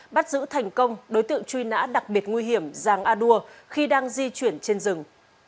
bắt giữ thành công đối tượng truy nã đặc biệt nguy hiểm giàng a đua khi đang di chuyển trên rừng